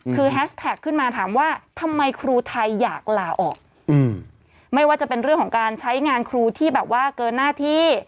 คือแฮชแท็กขึ้นมาถามว่าทำไมครูไทยอยากลาออกไม่ว่าจะเป็นเรื่องของการใช้งานครูที่แบบว่าเกินหน้าที่